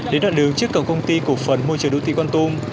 đến đoạn đường trước cổng công ty cổ phần môi trường đô thị con tum